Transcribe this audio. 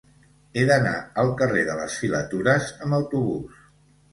He d'anar al carrer de les Filatures amb autobús.